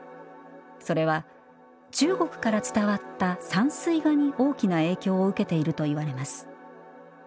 それは中国から伝わった「山水画」に大きな影響を受けているといわれます。